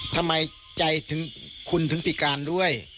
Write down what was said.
ทำไมใจถึงคุณถึงพิการด้วย